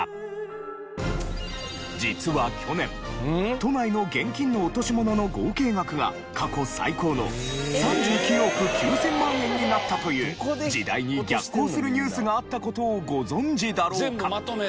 実は去年都内の現金の落とし物の合計額が過去最高の３９億９０００万円になったという時代に逆行するニュースがあった事をご存じだろうか？